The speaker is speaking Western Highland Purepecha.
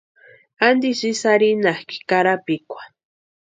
¿Antisï ísï arhinhakʼi karapikwa?